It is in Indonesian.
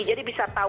jadi bisa tahu